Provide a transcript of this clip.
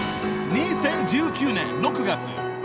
［２０１９年６月。